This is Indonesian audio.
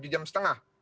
tujuh jam setengah